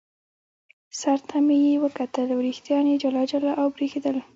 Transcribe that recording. سر ته مې یې وکتل، وریښتان یې جلا جلا او برېښېدل.